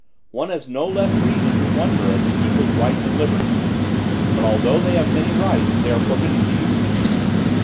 One has no less reason to wonder at the people's rights and liberties; but although they have many rights, they are forbidden to use them.